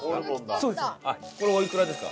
そうですね。